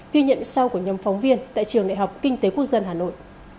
ghi nhận sau của nhóm phóng viên tại trường đại học kinh tế quốc dân hà nội